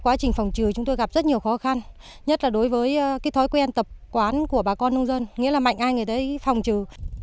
quá trình phòng trừ chúng tôi gặp rất nhiều khó khăn nhất là đối với thói quen tập quán của bà con nông dân nghĩa là mạnh ai người đấy phòng trừ